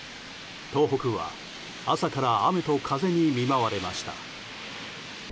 東北は、朝から雨と風に見舞われました。